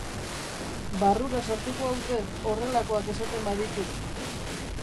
Barrura sartuko haute, horrelakoak esaten badituk.